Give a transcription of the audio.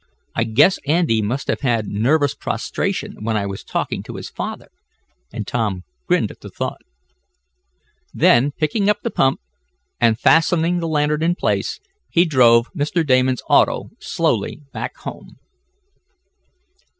I guess Andy must have had nervous prostration when I was talking to his father," and Tom grinned at the thought. Then, picking up the pump, and fastening the lantern in place, he drove Mr. Damon's auto slowly back home.